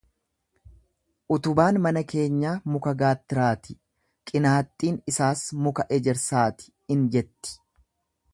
Utubaan mana keenyaa muka gaattiraati, qinaaxxiin isaas muka ejersaati in jetti.